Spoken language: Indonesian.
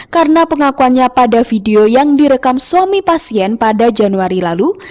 karena pengakuannya pada video yang direkam suami pasien pada januari lalu